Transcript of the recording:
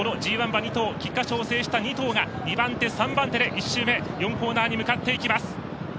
馬２頭菊花賞を制した２頭が２番手、３番手で１周目４コーナーに向かっていきます。